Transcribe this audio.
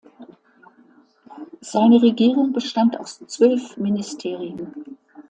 Seine Regierung bestand aus zwölf Ministerien.